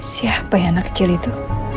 siapa ya anak kecil itu